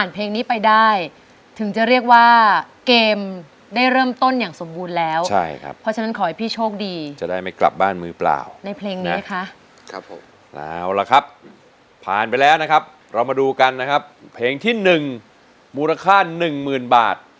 เพลงที่หนึ่งมูลค่า๑๐๐๐๐บาทนะครับ